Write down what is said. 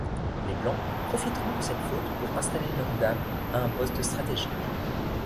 Les Blancs profiteront de cette faute pour installer leur dame à un poste stratégique.